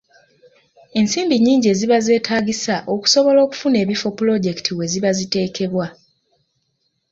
Ensimbi nnyingi eziba zeetaagisa okusobola okufuna ebifo pulojekiti we ziba ziteekebwa.